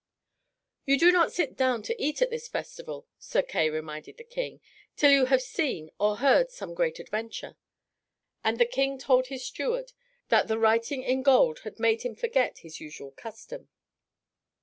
"You do not sit down to eat at this festival," Sir Kay reminded the King, "till you have seen or heard some great adventure." And the King told his steward that the writing in gold had made him forget his usual custom.